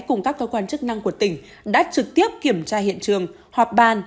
cùng các cơ quan chức năng của tỉnh đã trực tiếp kiểm tra hiện trường họp bàn